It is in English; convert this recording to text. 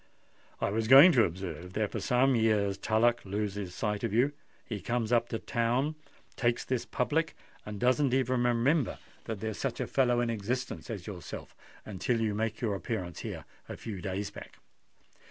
I was going to observe that for some years Tullock loses sight of you; he comes up to town, takes this public, and doesn't even remember that there's such a fellow in existence as yourself until you make your appearance here a few days back."